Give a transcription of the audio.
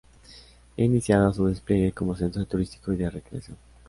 Y ha iniciado su despliegue como centro turístico y de recreación.